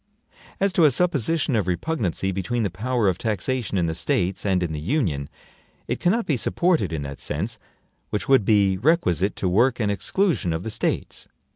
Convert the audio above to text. As to a supposition of repugnancy between the power of taxation in the States and in the Union, it cannot be supported in that sense which would be requisite to work an exclusion of the States.